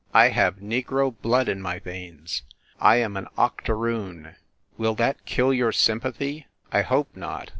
... I have negro blood in my veins; I am an octoroon. Will that kill your sympathy? I hope not